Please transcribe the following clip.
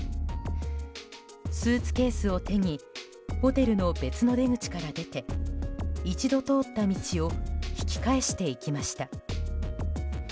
スーツケースを手にホテルの別の出口から出て一度通った道を引き返していきました。